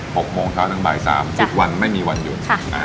หกโมงเช้าถึงบ่ายสามทุกวันไม่มีวันหยุดค่ะอ่า